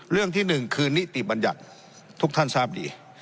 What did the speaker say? ที่หนึ่งคือนิติบัญญัติทุกท่านทราบดี